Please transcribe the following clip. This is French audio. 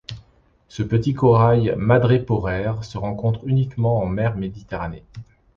Ce petit corail madréporaire se rencontre uniquement en Mer Méditerranée.